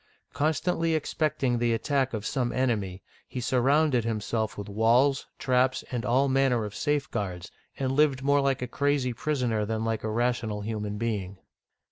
Constantly expecting the attack of some enemy, he surrounded himself with walls, traps, and all manner of safeguards, and lived more like a crazy prisoner than like a rational human being.